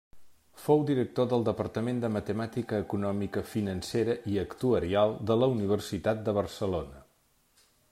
Fou Director del Departament de Matemàtica Econòmica, Financera i Actuarial de la Universitat de Barcelona.